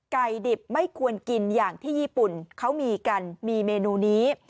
ดิบไม่ควรกินอย่างที่ญี่ปุ่นเขามีกันมีเมนูนี้